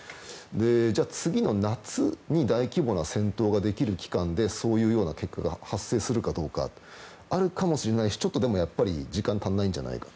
じゃあ次の夏に大規模な戦闘ができる期間でそういうような攻撃が発生するかどうかあるかもしれないしちょっと時間が足らないんじゃないかと。